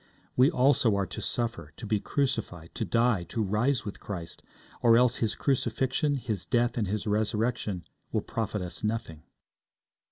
We also are to suffer, to be crucified, to die, to rise with Christ, or else His crucifixion, His death, and His resurrection will profit us nothing.